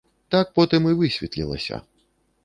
Так потым і высветлілася.